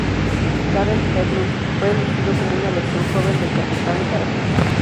Garrett Hedlund fue elegido como una versión joven del Capitán Garfio.